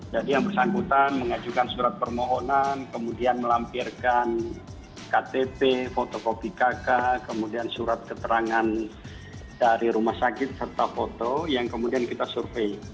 jadi yang bersangkutan mengajukan surat permohonan kemudian melampirkan ktp fotokopi kk kemudian surat keterangan dari rumah sakit serta foto yang kemudian kita survei